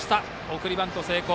送りバント成功。